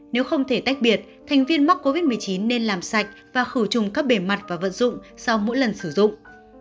nếu không thể tách biệt thành viên mắc covid một mươi chín nên làm sạch và khử trùng các bề mặt và vận dụng sau mỗi lần sử dụng